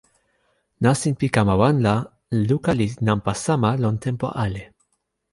nasin pi kama wan la, luka li nanpa sama lon tenpo ale.